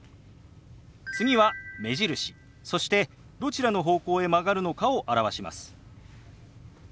次は目印そしてどちらの方向へ曲がるのかを表します。